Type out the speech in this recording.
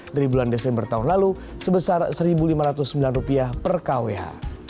dari bulan desember tahun lalu sebesar rp satu lima ratus sembilan per kwh